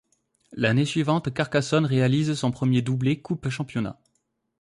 L'année suivante, Carcassonne réalise son premier doublé coupe-championnat.